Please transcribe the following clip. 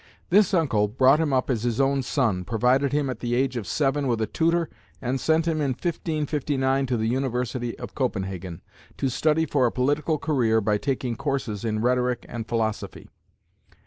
This uncle brought him up as his own son, provided him at the age of seven with a tutor, and sent him in 1559 to the University of Copenhagen, to study for a political career by taking courses in rhetoric and philosophy.